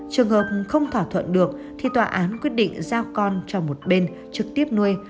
trường hợp không thỏa thuận được thì tòa án quyết định giao con cho một bên trực tiếp nuôi